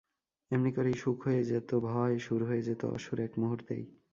এমনি করেই সুখ হয়ে যেত ভয়, সুর হয়ে যেত অসুর, এক মুহুর্তেই।